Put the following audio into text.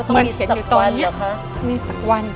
มันต้องมีสักวัน